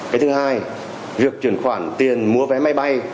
cái thứ hai việc chuyển khoản tiền mua vé máy bay